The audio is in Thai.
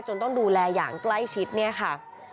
ต้องดูแลอย่างใกล้ชิดเนี่ยค่ะ